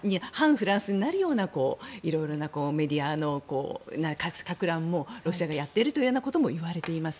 フランスになるような色々なメディアのかく乱もロシアがやっているということも言われています。